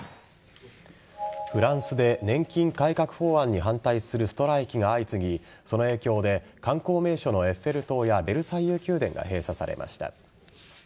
フランスで年金改革法案に反対するストライキが相次ぎその影響で観光名所のエッフェル塔やベルサイユ宮殿が閉鎖されました。